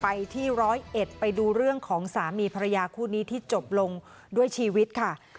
ไปที่ร้อยเอ็ดไปดูเรื่องของสามีภรรยาคู่นี้ที่จบลงด้วยชีวิตค่ะ